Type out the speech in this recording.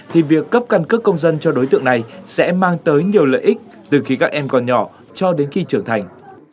thì việc cấp căn cước công dân cho đối tượng này sẽ mang tới nhiều lợi ích từ khi các em còn nhỏ cho đến khi trưởng thành